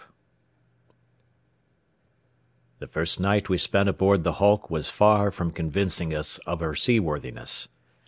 XII The first night we spent aboard the hulk was far from convincing us of her seaworthiness.